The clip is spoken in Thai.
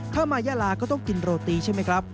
ถ้ามายาลาก็ต้องกินโรตีใช่ไหมครับ